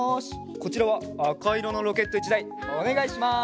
こちらはあかいろのロケット１だいおねがいします。